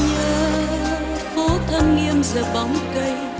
nhớ phố thân nghiêm giữa bóng cây